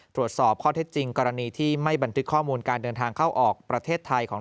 ตรวจสอบข้อเท็จจริงกรณีที่ไม่บันทึกข้อมูลการเดินทางเข้าออกประเทศไทยของ